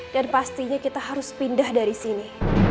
dan pastinya kita harus pindah dari sini